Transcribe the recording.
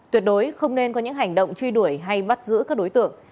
tuyệt đối không nên có những hành động truy đuổi hay bắt giữ các đối tượng